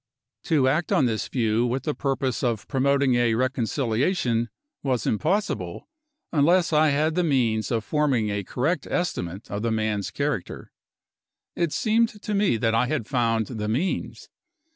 To act on this view with the purpose of promoting a reconciliation was impossible, unless I had the means of forming a correct estimate of the man's character. It seemed to me that I had found the means.